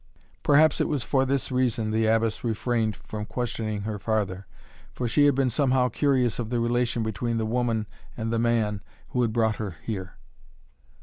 Perhaps it was for this reason the Abbess refrained from questioning her farther, for she had been somehow curious of the relation between the woman and the man who had brought her here.